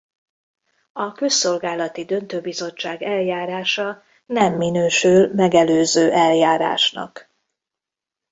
A Közszolgálati Döntőbizottság eljárása nem minősül megelőző eljárásnak.